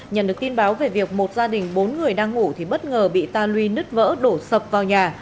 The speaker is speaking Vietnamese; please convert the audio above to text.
nhận được tin báo về việc một gia đình bốn người đang ngủ thì bất ngờ bị ta lui nứt vỡ đổ sập vào nhà